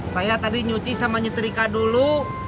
saya tadi nyuci sama nyetrika dulu